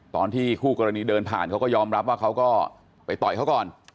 ตอนที่คู่กรณีเดินผ่านเขาก็ยอมรับว่าเขาก็ไปต่อยเขาก่อน